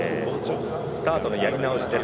スタートのやり直しです。